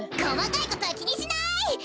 こまかいことはきにしない！